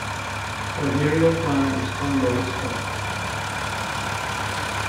Sidereal time is time by the stars.